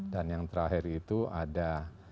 dan yang terakhir itu ada